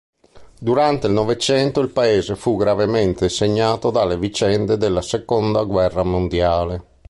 Durante il Novecento il paese fu gravemente segnato dalle vicende della Seconda guerra mondiale.